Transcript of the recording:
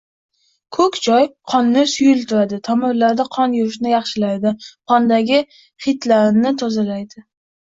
Ko‘k choy qonni suyultiradi, tomirlarda qon yurishini yaxshilaydi, qondagi xiltlarni tozalaydi.